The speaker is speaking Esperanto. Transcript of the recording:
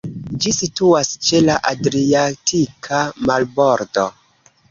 Ĝi situas ĉe la Adriatika marbordo.